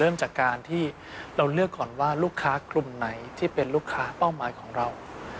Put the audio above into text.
เริ่มจากการที่เราเลือกก่อนว่าลูกค้ากลุ่มไหนที่เป็นลูกค้าเป้าหมายของเรา